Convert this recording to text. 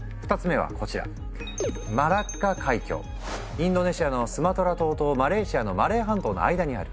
インドネシアのスマトラ島とマレーシアのマレー半島の間にある。